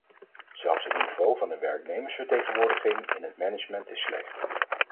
Zelfs het niveau van de werknemersvertegenwoordiging in het management is slecht.